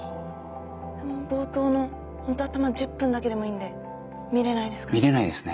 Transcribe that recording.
冒頭のホント頭１０分だけでもいいんで見れないですかね？